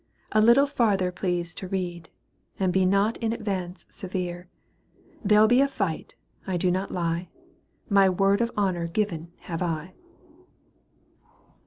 A little farther please to read And be not in advance severe. There'll be a fight. I do not lie. My word of honour given have I.